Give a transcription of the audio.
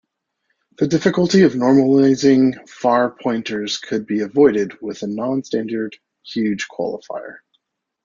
The difficulty of normalizing far pointers could be avoided with the non-standard huge qualifier.